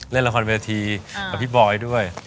เล่นละครเวทีกับพี่บอยด้วย